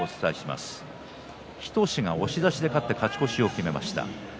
日翔志が押し出しで勝って勝ち越しを決めました。